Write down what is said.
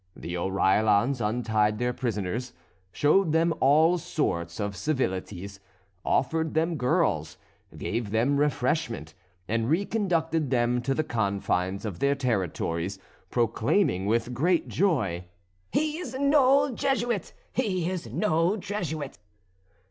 The Oreillons untied their prisoners, showed them all sorts of civilities, offered them girls, gave them refreshment, and reconducted them to the confines of their territories, proclaiming with great joy: "He is no Jesuit! He is no Jesuit!"